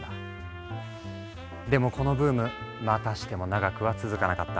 でもこのブームまたしても長くは続かなかった。